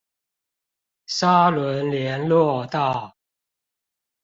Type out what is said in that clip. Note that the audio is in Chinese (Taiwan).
沙崙連絡道